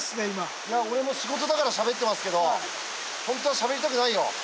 いや俺も仕事だからしゃべってますけどホントはしゃべりたくないよ。